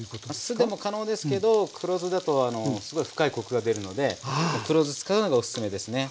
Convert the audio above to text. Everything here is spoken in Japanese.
酢でも可能ですけど黒酢だとすごい深いコクが出るので黒酢使うのがおすすめですね。